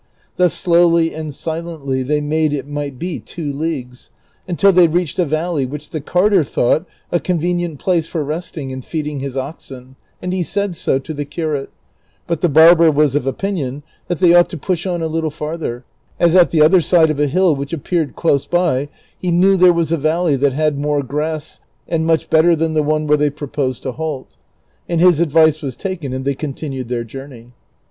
Thus slowly and silently they made, it might be, two leagues, until they reached a valley which the carter thought a convenient place for resting and feeding his oxen, and he said so to the curate, but the barber was of opinion that they ought to push on a little farther, as at the other side of a 'hill which appeared close by he knew there was a valley that had more grass and much better than the one where they proposed to halt ; and his advice was taken and they continued their journey.